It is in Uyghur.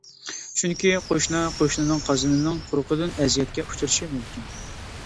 چۈنكى قوشنا قوشنىنىڭ قازىنىنىڭ پۇرىقىدىن ئەزىيەتكە ئۇچرىشى مۇمكىن.